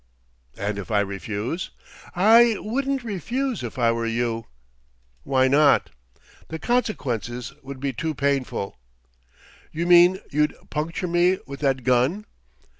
"And if I refuse?" "I wouldn't refuse, if I were you." "Why not?" "The consequences would be too painful." "You mean you'd puncture me with that gun?"